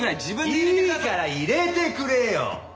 いいから入れてくれよ！